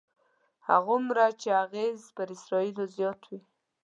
هماغومره یې اغېز پر اسرایلو زیات وي.